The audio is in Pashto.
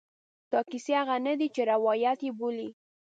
دا کیسې هغه نه دي چې روایت یې بولي.